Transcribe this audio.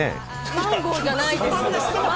マンゴーじゃないです。